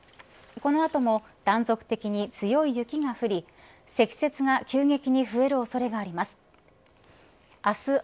このあとも断続的に強い雪が降り積雪が急激に増える恐れがあります。